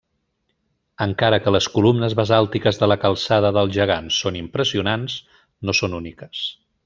Encara que les columnes basàltiques de la Calçada del Gegant són impressionants, no són úniques.